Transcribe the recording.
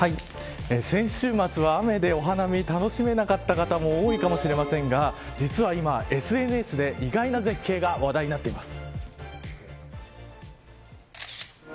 先週末は雨でお花見楽しめなかった方も多いかもしれませんが実は今、ＳＮＳで意外な絶景が話題になっています。